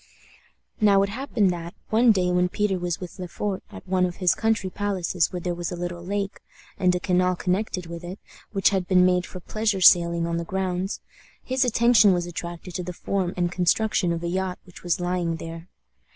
Now it happened that, one day when Peter was with Le Fort at one of his country palaces where there was a little lake, and a canal connected with it, which had been made for pleasure sailing on the grounds, his attention was attracted to the form and construction of a yacht which was lying there.